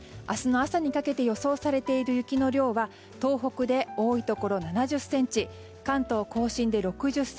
明日の朝にかけて予想されている雪の量は東北で多いところ７０ｃｍ関東・甲信で６０ｃｍ